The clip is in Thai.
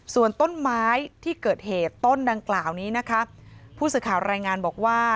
ส่วนต้นไม้ที่เกิดเหตุต้นดังกล่าวนี้นะคะผู้สื่อข่าวรายงานบอกว่า